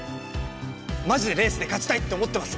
マジでレースで勝ちたいって思ってます。